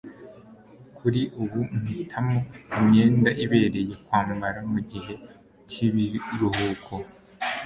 kuri ubu, mpitamo imyenda ibereye kwambara mugihe cyibiruhuko